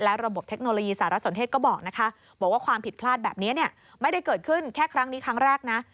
และระบบเทคโนโลยีสารสนเทศก็บอกนะคะบอกว่าความผิดพลาดแบบนี้ไม่ได้เกิดขึ้นแค่ครั้งนี้ครั้งแรกนะ